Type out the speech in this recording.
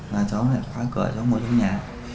và cháu lại khóa cửa cho mỗi trong nhà